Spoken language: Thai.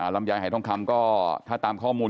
ลำไยหายทองคำก็ถ้าตามข้อมูล